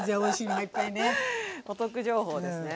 お得情報ですね。